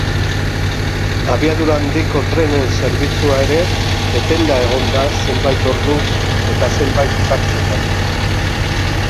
Abiadura handiko trenen zerbitzua ere etenda egon da zenbait orduz eta zenbait tartetan.